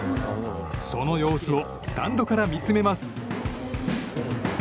その様子をスタンドから見つめます。